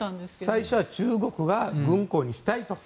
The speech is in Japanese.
最初は中国が軍港にしたいと。